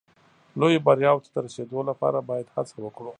لویو بریاوو ته د رسېدو لپاره باید هڅه وکړو.